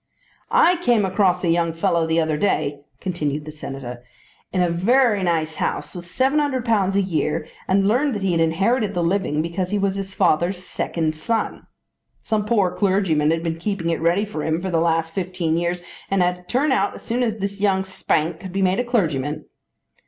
"I came across a young fellow the other day," continued the Senator, "in a very nice house, with £700 a year, and learned that he had inherited the living because he was his father's second son. Some poor clergyman had been keeping it ready for him for the last fifteen years and had to turn out as soon as this young spark could be made a clergyman."